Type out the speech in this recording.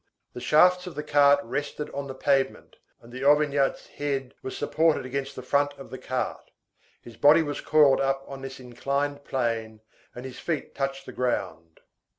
The shafts of the cart rested on the pavement, and the Auvergnat's head was supported against the front of the cart. His body was coiled up on this inclined plane and his feet touched the ground.